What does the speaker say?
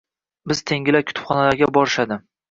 Biz tengilar kutubxonalarga borishadi